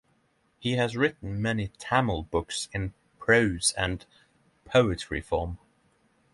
He has written many Tamil books in prose and poetry form.